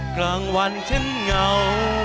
กลางวันฉันเหงา